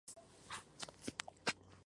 Un siglo más tarde fueron restablecidas.